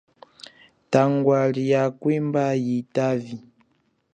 Tangwa lia kwimba yitavi.